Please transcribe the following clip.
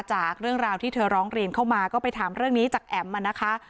จากเรื่องราวที่เธอร้องเรียนเข้ามาก็ไปถามเรื่องนี้จากแอ๋มมานะคะ